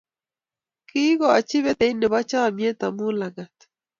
Kiikochi peteit nebo chamet amut langat